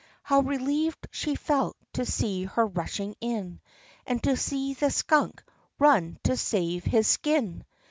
How relieved she felt to see her rushing in, And to see the skunk run to save his skin!